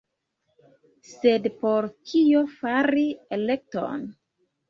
Sed por kio fari elekton?